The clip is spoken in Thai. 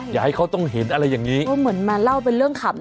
อยากให้เขาต้องเห็นอะไรอย่างนี้ก็เหมือนมาเล่าเป็นเรื่องขำ